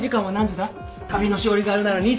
旅のしおりがあるなら兄さんにも見せ。